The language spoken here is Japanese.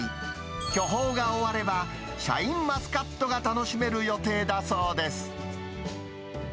巨峰が終われば、シャインマスカットが楽しめる予定だそうです。